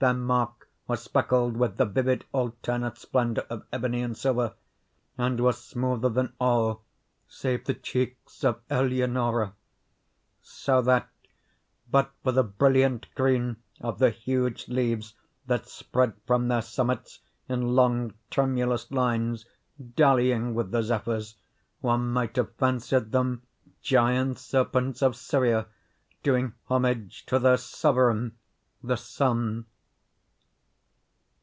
Their mark was speckled with the vivid alternate splendor of ebony and silver, and was smoother than all save the cheeks of Eleonora; so that, but for the brilliant green of the huge leaves that spread from their summits in long, tremulous lines, dallying with the Zephyrs, one might have fancied them giant serpents of Syria doing homage to their sovereign the Sun.